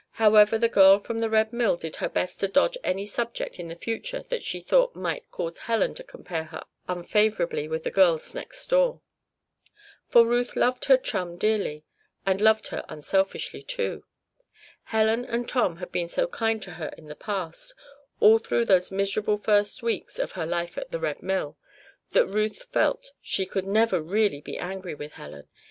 However, the girl from the Red Mill did her best to dodge any subject in the future that she thought might cause Helen to compare her unfavorably with the girls next door. For Ruth loved her chum dearly and loved her unselfishly, too. Helen and Tom had been so kind to her in the past all through those miserable first weeks of her life at the Red Mill that Ruth felt she could never be really angry with Helen.